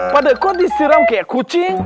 pade kok disiram kayak kucing